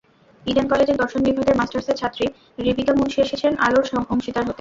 Eden কলেজের দর্শন বিভাগের মাস্টার্সের ছাত্রী রিবিকা মুন্সী এসেছেন আলোর অংশীদার হতে।